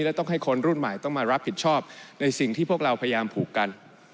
และต้องให้คนรุ่นใหม่ต้องมารับผิดชอบในสิ่งที่พวกเราพยายามผูกกัน